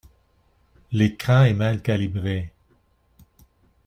L'écran est mal calibré.